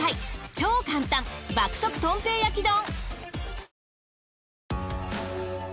超簡単爆速とん平焼き丼！